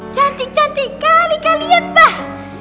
cantik cantik kali kalian bah